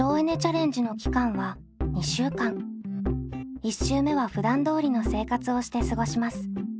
１週目はふだんどおりの生活をして過ごします。